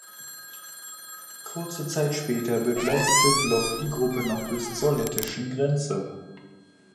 Kurze Zeit später begleitete Bloch die Gruppe noch bis zur Lettischen Grenze.